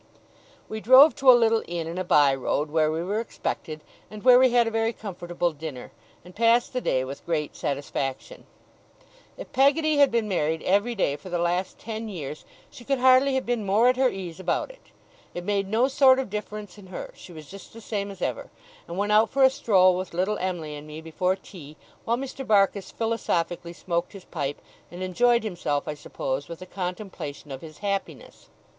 We drove to a little inn in a by road, where we were expected, and where we had a very comfortable dinner, and passed the day with great satisfaction. If Peggotty had been married every day for the last ten years, she could hardly have been more at her ease about it; it made no sort of difference in her: she was just the same as ever, and went out for a stroll with little Em'ly and me before tea, while Mr. Barkis philosophically smoked his pipe, and enjoyed himself, I suppose, with the contemplation of his happiness.